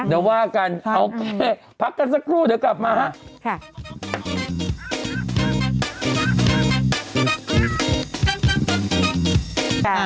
เดี๋ยวว่ากันโอเคพักกันสักครู่เดี๋ยวกลับมาฮะ